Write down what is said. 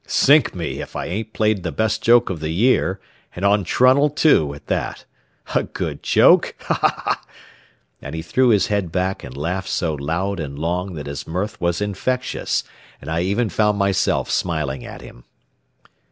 Sink me, if I ain't played the best joke of the year, and on Trunnell too, at that. A good joke? ha, ha, hah!" and he threw his head back and laughed so loud and long that his mirth was infectious, and I even found myself smiling at him.